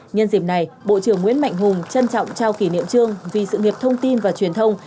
nhân dịp này bộ trưởng nguyễn mạnh hùng trân trọng trao kỷ niệm trương vì sự nghiệp thông tin và truyền thông